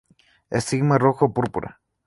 Estigma rojo o púrpura.